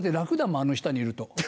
あの下にいると。